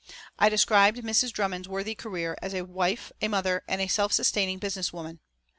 I described Mrs. Drummond's worthy career as a wife, a mother, and a self sustaining business woman.